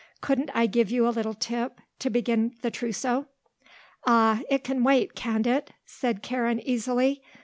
Couldn't I give you a little tip to begin the trousseau?" "Ah, it can wait, can't it?" said Karen easily.